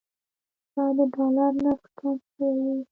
که د ډالر نرخ کم شوی وي.